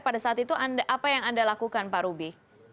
pada saat itu apa yang anda lakukan pak ruby